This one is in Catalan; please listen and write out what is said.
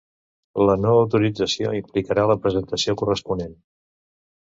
La no autorització implicarà la presentació corresponent.